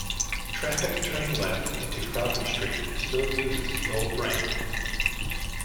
Traffic turning left into Falcon Street still uses the old ramp.